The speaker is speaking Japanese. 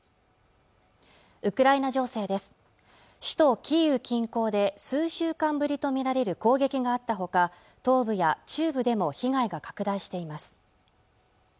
ウクライナ情勢です首都キーウ近郊で数週間ぶりと見られる攻撃があったほか東部や中部でも被害が拡大しています